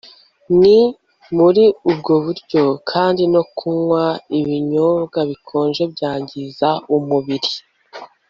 ni muri ubwo buryo kandi no kunywa ibinyobwa bikonje byangiza umubiri